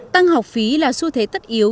tăng học phí là xu thế tất yếu